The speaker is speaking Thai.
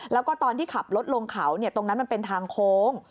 แล้วก็ตอนที่ขับรถลงเขาตรงนั้นมันเป็นทางโค้ง